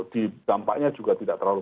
dampaknya juga tidak terlalu